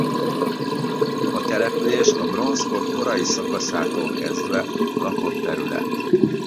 A település a bronzkor korai szakaszától kezdve lakott terület.